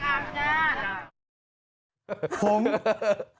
มาจากกรรกาศจ้า